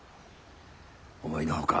思いのほか